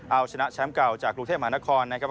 เอาชนะแชมป์เก่าจากกรุงเทพมหานครนะครับ